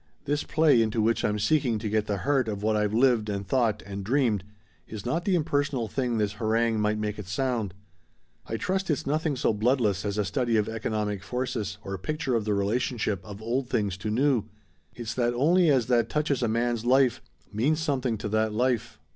This play into which I'm seeking to get the heart of what I've lived and thought and dreamed is not the impersonal thing this harangue might make it sound. I trust it's nothing so bloodless as a study of economic forces or picture of the relationship of old things to new. It's that only as that touches a man's life, means something to that life.